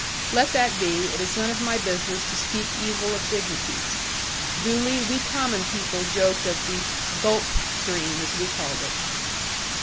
Let that be, it is none of my business to speak evil of dignities; duly we common people joked of the 'Gulp stream,' as we called it.